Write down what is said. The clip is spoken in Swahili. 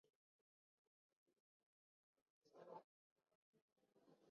hapo hapa jijini hapa tanzania